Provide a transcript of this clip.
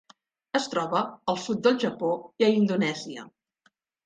Es troba al sud del Japó i a Indonèsia.